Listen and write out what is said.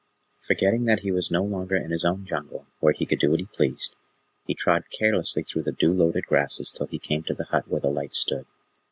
Forgetting that he was no longer in his own Jungle, where he could do what he pleased, he trod carelessly through the dew loaded grasses till he came to the hut where the light stood.